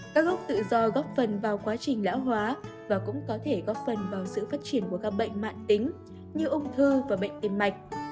các gốc tự do góp phần vào quá trình lão hóa và cũng có thể góp phần vào sự phát triển của các bệnh mạng tính như ung thư và bệnh tim mạch